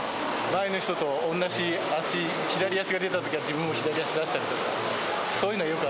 前の人と同じ足、左足が出たときは、自分も左足出したりとか。